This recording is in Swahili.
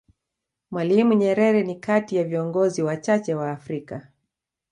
Mwalimu Nyerere ni kati ya viingozi wachache wa Afrika